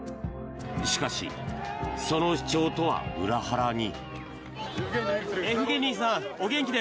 しかし、その主張とは裏腹に。